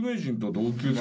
同級生？